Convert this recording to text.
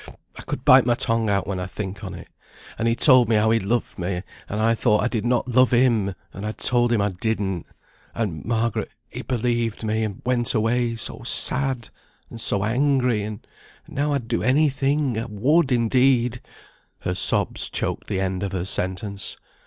I could bite my tongue out when I think on it. And he told me how he loved me, and I thought I did not love him, and I told him I didn't; and, Margaret, he believed me, and went away so sad, and so angry; and now I'd do any thing, I would, indeed," her sobs choked the end of her sentence.